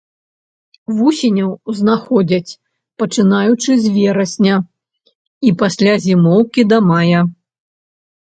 Вусеняў знаходзяць, пачынаючы з верасня, і пасля зімоўкі да мая.